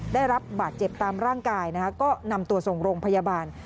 ได้รับบาดเจ็บตามร่างกายนะคะก็นำตัวส่งโรงพยาบาล